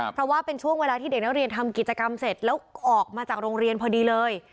เพราะว่าเป็นช่วงเวลาที่เด็กนักเรียนทำกิจกรรมเสร็จแล้วออกมาจากโรงเรียนพอดีเลย